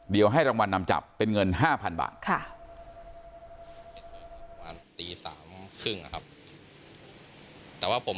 เดี๋ยวให้รางวัลนำจับเป็นเงิน๕๐๐๐บาท